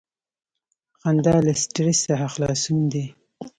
• خندا له سټریس څخه خلاصون دی.